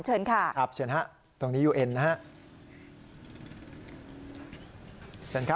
เชิญค่ะตรงนี้ยูเอ็นนะครับ